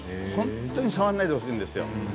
本当に触らないでほしいんですよ